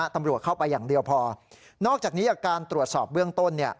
ตำรวจเข้าไปอย่างเดียวพอนอกจากนี้จากการตรวจสอบเบื้องต้น